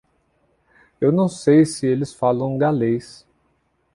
Eu não sei se eles falam galês.